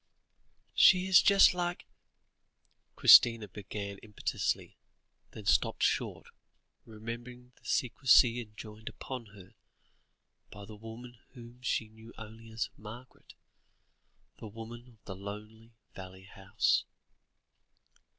"She is just like " Christina began impetuously, then stopped short, remembering the secrecy enjoined upon her, by the woman whom she knew only as "Margaret," the woman of the lonely valley house.